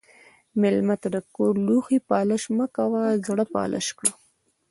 مېلمه ته د کور لوښي پالش مه کوه، زړه پالش کړه.